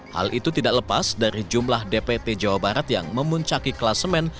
hal itu tidak lepas dari jumlah dpt jawa barat yang memuncaki kelasemen